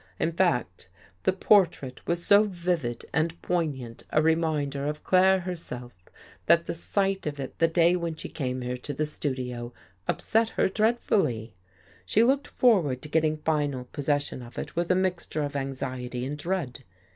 In fact, the portrait was so vivid and poignant a reminder of Claire herself, that the sight of it the day when she came here to the studio upset her dreadfully. She looked for ward to getting final possession of it with a mixture of anxiety and dread.